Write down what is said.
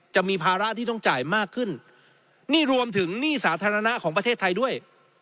จะมีภาระที่ต้องจ่ายมากขึ้นนี่รวมถึงหนี้สาธารณะของประเทศไทยด้วย